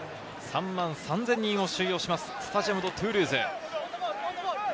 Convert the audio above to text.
３万３０００人を収容するスタジアム・ド・トゥールーズ。